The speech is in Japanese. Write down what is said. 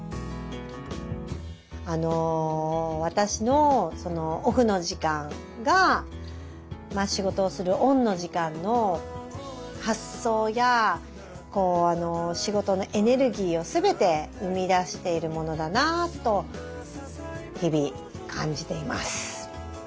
あの私のオフの時間が仕事をするオンの時間の発想やこう仕事のエネルギーを全て生み出しているものだなと日々感じています。